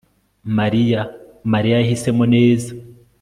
MARIYA Mariya yahisemo neza